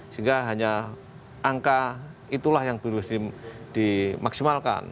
sehingga hanya angka itulah yang perlu dimaksimalkan